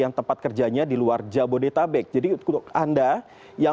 lalu ada surat keterangan dari rumah sakit keluar jabodetabek untuk perjalanan sekali